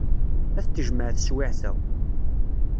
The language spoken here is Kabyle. Ad t-tejmeɛ taswiɛt-a.